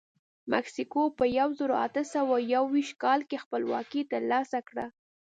مکسیکو په یو زرو اته سوه یوویشت کال کې خپلواکي ترلاسه کړه.